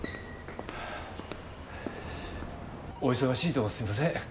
お忙しいとこすいません。